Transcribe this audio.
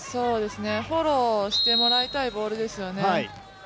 フォローしてもらいたいボールですよね。